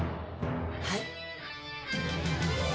はい？